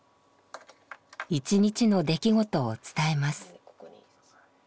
一日の出来事を伝えます。